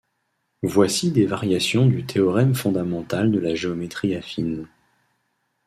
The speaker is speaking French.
Voici des variations du théorème fondamental de la géométrie affine.